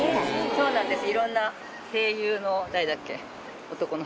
そうなんです。